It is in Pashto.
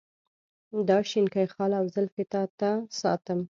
دا شینکی خال او زلفې تا ته ساتم.